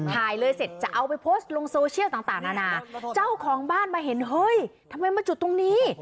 ถ่ายเลยเสร็จจะเอาไปโพสต์ลงโซเชียลต่างนานาเจ้าของบ้านมาเห็นเฮ้ยทำไมมาจุดตรงนี้